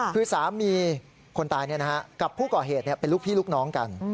คือสามีคนตายกับผู้ก่อเหตุเป็นลูกพี่ลูกน้องกัน